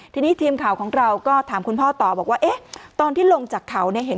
ทีนี้ทีมข่าวของเราก็ถามคุณพ่อต่อบอกว่าเอ๊ะตอนที่ลงจากเขาเนี่ยเห็น